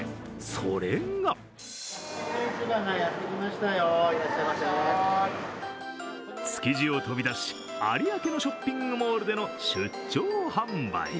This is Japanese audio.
それが築地を飛び出し、有明のショッピングモールでの出張販売。